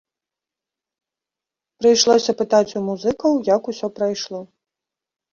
Прыйшлося пытаць у музыкаў, як усё прайшло.